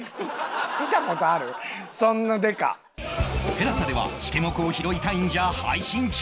ＴＥＬＡＳＡ ではシケモクを拾いたいんじゃ！！配信中！